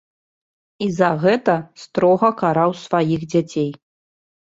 І за гэта строга караў сваіх дзяцей.